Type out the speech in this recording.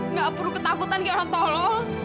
nggak perlu ketakutan kayak orang tolong